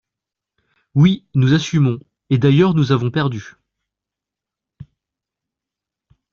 Oui, nous assumons – et d’ailleurs nous avons perdu